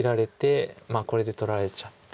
まあこれで取られちゃって。